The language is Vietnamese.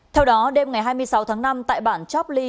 theo đó đêm ngày hai mươi sáu tháng năm tại bản chopley